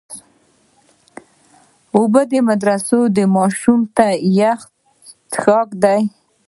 اوبه د مدرسې ماشوم ته یخ څښاک دی.